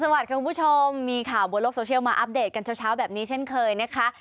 สวัสดีคุณผู้ชมมีข่าวบนโลกโซเชียลมาอัปเดตกันเช้าแบบนี้เช่นเคยนะคะ